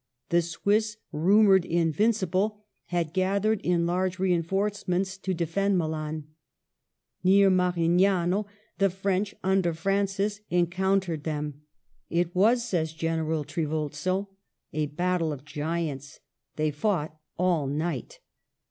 The Swiss, rumored invincible, had gathered in large rein forcements to defend Milan. Near Marignano the French under Francis encountered them. •* It was," says General Trivulzio, ^* a battle of giants. They fought all night.'